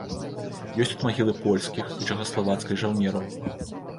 Ёсць тут магілы польскіх і чэхаславацкай жаўнераў.